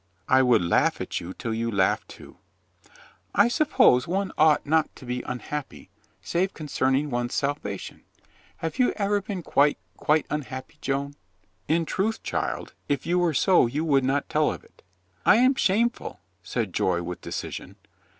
"I would laugh at you till you laugh too." "I suppose one ought not to be unhappy save 281 282 COLONEL GREATHEART concerning one's salvation. Have you ever been quite, quite unhappy, Joan?" "In truth, child, if you were so you would not tell of it." "I am shameful," said Joy with decision.